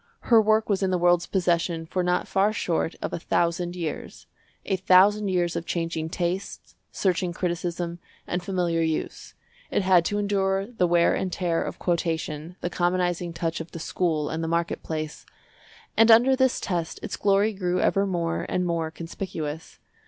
Her work was in the world's possession for not far short of a thousand years—a thousand years of changing tastes, searching criticism, and familiar use. It had to endure the wear and tear of quotation, the commonizing touch of the school and the market place. And under this test its glory grew ever more and more conspicuous.